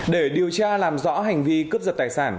để điều tra làm rõ hành vi cướp giật tài sản